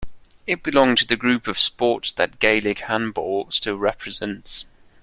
It belonged to the group of sports that Gaelic handball still represents.